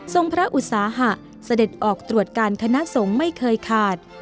พระอุตสาหะเสด็จออกตรวจการคณะสงฆ์ไม่เคยขาด